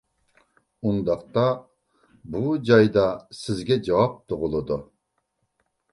ئۇنداقتا بۇ جايدا سىزگە جاۋاب تۇغۇلىدۇ.